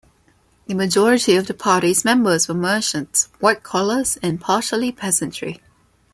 The majority of the Party's members were merchants, white-collars and partially peasantry.